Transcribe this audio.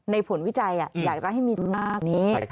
ในผลวิจัยอยากจะให้มีรูปนาของนี้